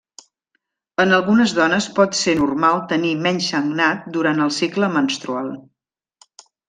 En algunes dones pot ser normal tenir menys sagnat durant el cicle menstrual.